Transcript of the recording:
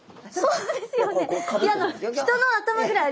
そうですよね！